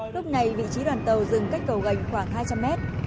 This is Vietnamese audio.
lúc này vị trí đoàn tàu dừng cách cầu gành khoảng hai trăm linh mét